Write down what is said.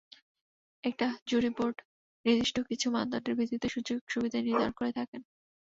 একটা jury board নির্দিষ্ট কিছু মানদণ্ডের ভিত্তিতে সুযোগ-সুবিধা নির্ধারণ করে থাকেন।